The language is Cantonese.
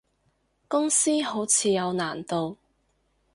公司好似有難度